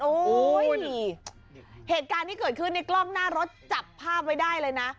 เหตุการณ์ที่เกิดขึ้นในกล้องหน้ารถจับภาพไว้ได้เลยนะ